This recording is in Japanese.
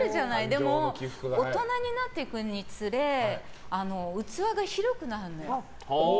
でも、大人になっていくにつれ器が広くなるの。